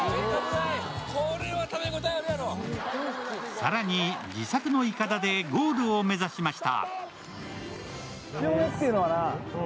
更に、自作のいかだでゴールを目指しました。